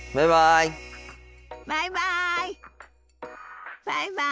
バイバイ。